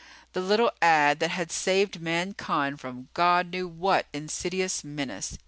The little ad that had saved mankind from God knew what insidious menace.